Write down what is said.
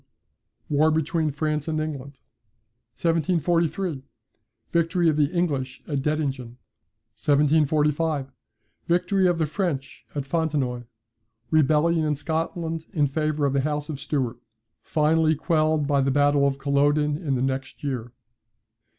1742. War between France and England. 1743. Victory of the English at Dettingen. 1745. Victory of the French at Fontenoy. Rebellion in Scotland in favour of the House of Stuart: finally quelled by the battle of Culloden in the next year.